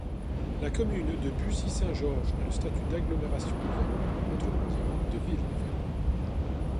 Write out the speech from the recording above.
La commune de Bussy-Saint-Georges a le statut d'agglomération nouvelle, autrement dit, de ville nouvelle.